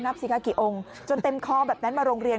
สิคะกี่องค์จนเต็มคอแบบนั้นมาโรงเรียน